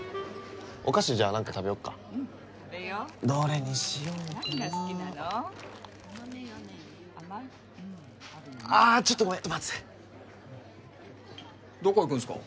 お菓子じゃあ何か食べよっかどれにしようかなあっちょっとごめん待っててどこ行くんすか？